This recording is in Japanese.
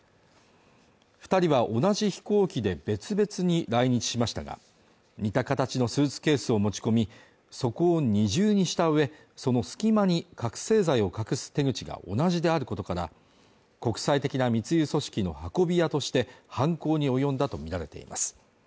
二人は同じ飛行機で別々に来日しましたが似た形のスーツケースを持ち込み底を二重にしたうえその隙間に覚醒剤を隠す手口が同じであることから国際的な密輸組織の運び屋として犯行に及んだとみられています